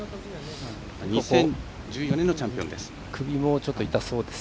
２０１４年のチャンピオンです。